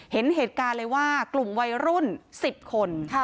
เห็นเหตุการณ์เลยว่ากลุ่มวัยรุ่น๑๐คน